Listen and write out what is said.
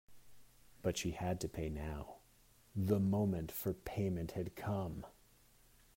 But she had to pay now; the moment for payment had come.